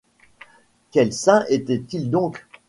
Quels saints étaient-ils donc ?